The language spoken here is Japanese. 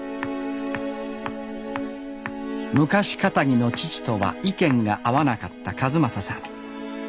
昔かたぎの父とは意見が合わなかった一正さん。